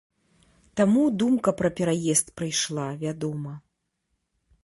Таму думка пра пераезд прыйшла, вядома.